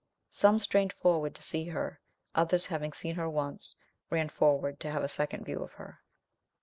Some strained forward to see her; others, having seen her once, ran forward to have a second view of her.